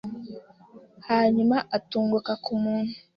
Hanyuma atunguka ku muntu